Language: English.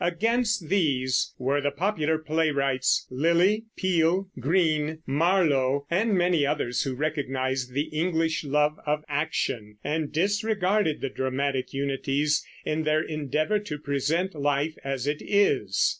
Against these were the popular playwrights, Lyly, Peele, Greene, Marlowe, and many others, who recognized the English love of action and disregarded the dramatic unities in their endeavor to present life as it is.